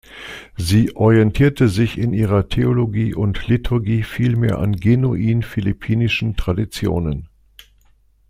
Sie orientierte sich in ihrer Theologie und Liturgie vielmehr an genuin philippinischen Traditionen.